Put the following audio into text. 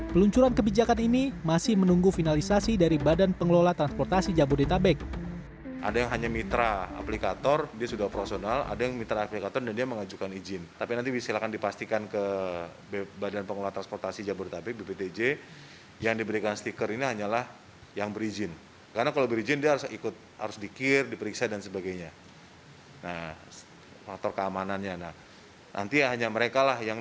peluncuran kebijakan ini masih menunggu finalisasi dari badan pengelola transportasi jabodetabek